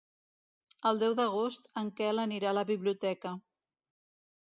El deu d'agost en Quel anirà a la biblioteca.